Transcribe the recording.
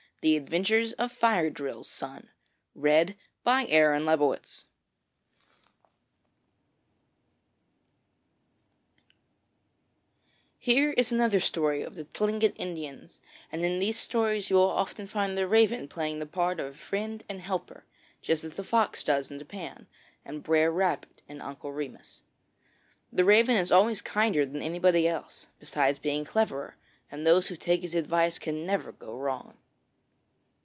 THE ADVENTURES OF FIRE DRILL'S SON Here is another story of the Tlingit Indians, and in these stories you will often find the Raven playing the part of friend and helper, just as the Fox does in Japan, and Brer Rabbit in 'Uncle Remus.' The Raven is always kinder than anybody else, besides being cleverer, and those who take his advice can never go wrong.